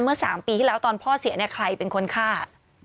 เมื่อ๓ปีที่แล้วตอนพ่อเสียเนี่ยใครเป็นคนฆ่า